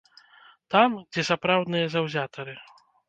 Там, дзе сапраўдныя заўзятары.